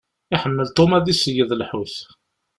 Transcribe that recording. Iḥemmel Tom ad d-iṣeyyed lḥut.